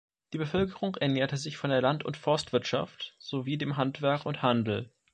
Die Bevölkerung ernährte sich von der Land- und Forstwirtschaft sowie dem Handwerk und Handel.